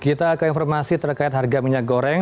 kita ke informasi terkait harga minyak goreng